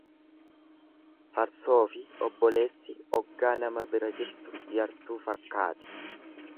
Farsoofi obboleessi oggaa nama bira jirtu yartuu fakkaati.